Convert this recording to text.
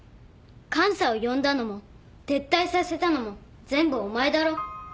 監査を呼んだのも撤退させたのも全部お前だろ。